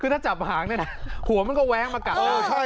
ถ้าจับหางหัวมันก็แว้งมากับ